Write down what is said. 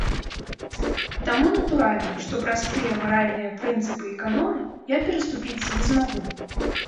Таму, натуральна, што праз тыя маральныя прынцыпы і каноны я пераступіць не змагу.